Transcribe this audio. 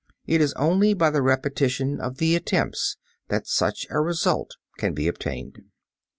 It is only by the repetition of the attempts that such a result can be obtained.